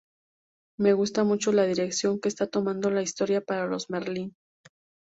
Me gusta mucho la dirección que está tomando la historia para los Merlyn.